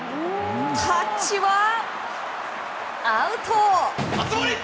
タッチはアウト！